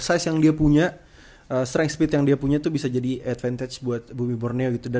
size yang dia punya strength speed yang dia punya tuh bisa jadi advantage buat bumi borneo gitu